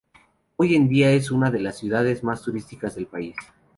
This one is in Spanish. Hoy en día es una de las ciudades más turísticas del país.